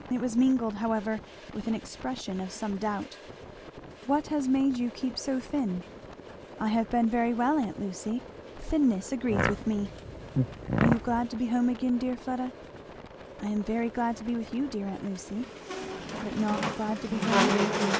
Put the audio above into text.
It was mingled however with an expression of some doubt. "What has made you keep so thin?" "I have been very well, aunt Lucy, thinness agrees with me." "Are you glad to be home again, dear Fleda?" "I am very glad to be with you, dear aunt Lucy!" "But not glad to be home?"